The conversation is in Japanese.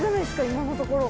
今のところ。